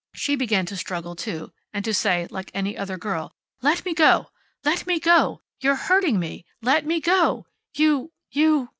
She began to struggle, too, and to say, like any other girl, "Let me go! Let me go! You're hurting me. Let me go! You! You!"